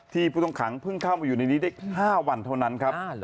ผู้ต้องขังเพิ่งเข้ามาอยู่ในนี้ได้๕วันเท่านั้นครับ